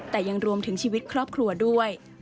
แต่ยังรวมถึงชีวิตครอบครัวด้วย